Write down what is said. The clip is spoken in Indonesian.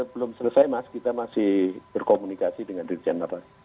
belum selesai mas kita masih berkomunikasi dengan dirjen narnas